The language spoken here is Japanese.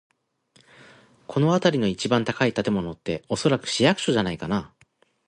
この辺りで一番高い建物って、おそらく市役所じゃないかな。